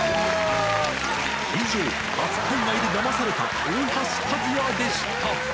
以上、初海外でダマされた大橋和也でした。